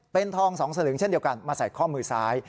เป็นทอง๒สลึงเช่นเดียวกันมาใส่ข้อมือซ้าย